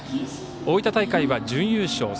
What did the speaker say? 大分大会は準優勝。